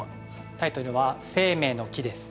タイトルは「生命の樹」です